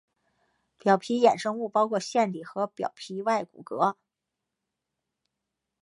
表皮衍生物包括腺体和表皮外骨骼。